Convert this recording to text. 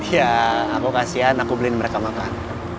ya aku kasihan aku beliin mereka makan